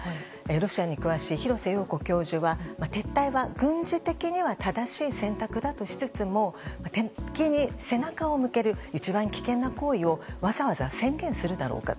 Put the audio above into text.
ロシアに詳しい廣瀬陽子教授は撤退は軍事的には正しい選択だとしつつも敵に背中を向ける一番危険な行為をわざわざ宣言するだろうか。